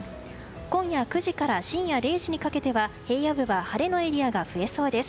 今夜９時から深夜０時にかけては平野部は晴れのエリアが多そうです。